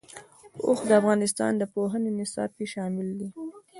اوښ د افغانستان د پوهنې نصاب کې شامل دي.